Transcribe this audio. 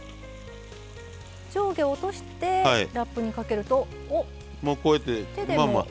上下落としてラップにかけると手でもむけちゃう。